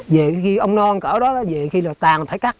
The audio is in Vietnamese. về khi ong non cỡ đó về khi là tàn phải cắt